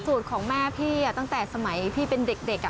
สูตรของแม่พี่ตั้งแต่สมัยพี่เป็นเด็ก